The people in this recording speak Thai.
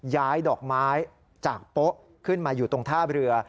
ย้ายดอกไม้จากโป๊ะขึ้นมาอยู่ตรงท่าเรือ